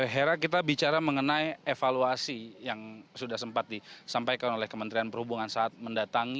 hera kita bicara mengenai evaluasi yang sudah sempat disampaikan oleh kementerian perhubungan saat mendatangi